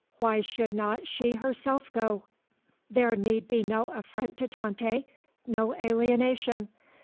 Why should not she herself go? There need be no affront to Tante, no alienation.